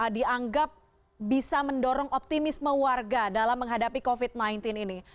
dianggap bisa mendorong optimisme warga dalam menghadapi covid sembilan belas ini